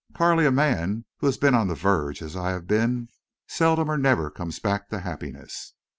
"Carley, a man who has been on the verge—as I have been—seldom or never comes back to happiness.